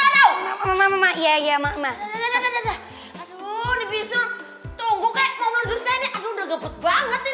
dalam kesempatan akhir